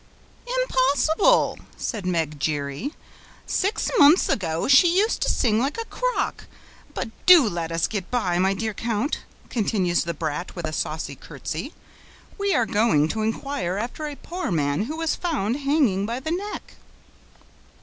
"Impossible!" said Meg Giry. "Six months ago, she used to sing like a CROCK! But do let us get by, my dear count," continues the brat, with a saucy curtsey. "We are going to inquire after a poor man who was found hanging by the neck."